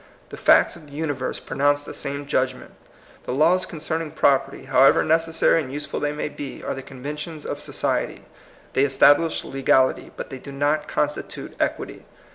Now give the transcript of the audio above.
The facts of the universe pronounce the same judgment. The laws concerning property, however necessary and useful they may he, are the conventions of society. They establish legality, but they do not constitute equity.